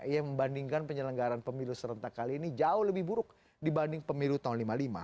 ia membandingkan penyelenggaran pemilu serentak kali ini jauh lebih buruk dibanding pemilu tahun seribu sembilan ratus lima puluh lima